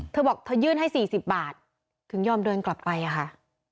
เธอบอกเธอยื่นให้๔๐บาทถึงยอมเดินกลับไปอะค่ะ